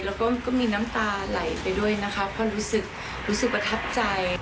แล้วก็ก็มีน้ำตาไหลไปด้วยนะคะเพราะรู้สึกรู้สึกประทับใจ